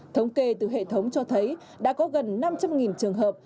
thống kê từ hệ thống cho thấy đã có gần năm trăm linh trường hợp